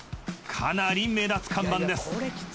［かなり目立つ看板です］